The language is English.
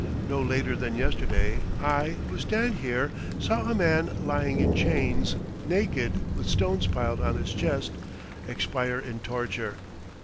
No later than yesterday I who stand here saw a man lying in chains, naked, with stones piled on his chest, expire in torture.